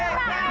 itu dia tuhan